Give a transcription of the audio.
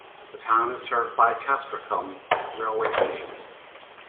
The town is served by Castricum railway station.